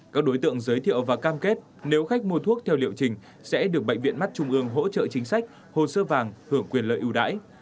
các đối tượng giới thiệu và cam kết nếu khách mua thuốc theo liệu trình sẽ được bệnh viện mắt trung ương hỗ trợ chính sách hồ sơ vàng hưởng quyền lợi ưu đãi